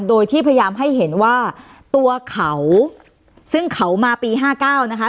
โดยที่พยายามให้เห็นว่าตัวเขาซึ่งเขามาปี๕๙นะคะ